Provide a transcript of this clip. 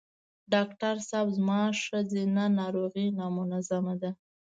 ډاکټر صېب زما ښځېنه ناروغی نامنظم ده